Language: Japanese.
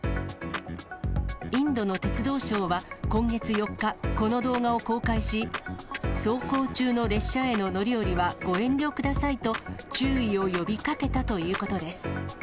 インドの鉄道省は、今月４日、この動画を公開し、走行中の列車への乗り降りはご遠慮くださいと注意を呼びかけたということです。